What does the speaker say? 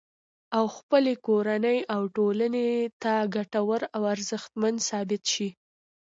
او خپلې کورنۍ او ټولنې ته ګټور او ارزښتمن ثابت شي